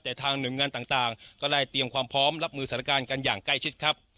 แต่ทางหน่วยงานต่างก็ได้เตรียมความพร้อมรับมือสถานการณ์กันอย่างใกล้ชิดครับ